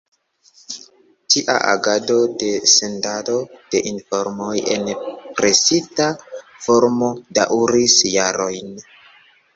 Tia agado de sendado de informoj en presita formo daŭris jarojn.